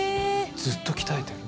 ずっと鍛えてる。